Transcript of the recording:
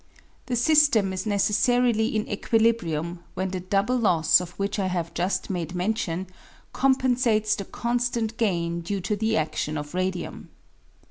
The system is necessarily in equilibrium when the double loss of which I have just made mention compensates the constant gain due to the adlion of radium.